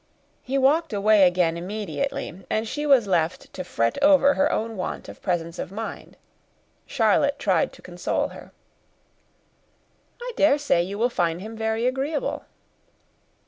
He walked away again immediately, and she was left to fret over her own want of presence of mind: Charlotte tried to console her. "I dare say you will find him very agreeable."